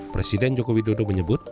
presiden jokowi dodo menyebut